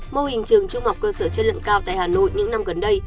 mô hình trường trung học cơ sở chất lượng cao tại hà nội những năm gần đây